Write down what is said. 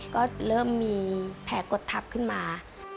ก็เริ่มมีแผลกดทับขึ้นมา